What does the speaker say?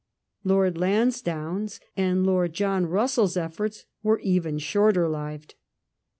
Lord Lansdowne's and Lord John Bussell's efforts were even shorter lived.